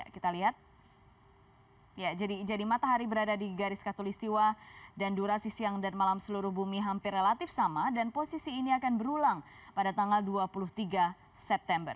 kita lihat jadi matahari berada di garis katolistiwa dan durasi siang dan malam seluruh bumi hampir relatif sama dan posisi ini akan berulang pada tanggal dua puluh tiga september